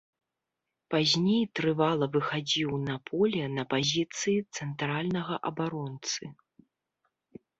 Пазней трывала выхадзіў на поле на пазіцыі цэнтральнага абаронцы.